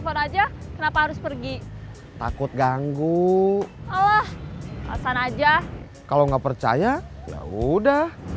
telepon cuma nerima telepon aja kenapa harus pergi takut ganggu alah alasan aja kalau nggak percaya udah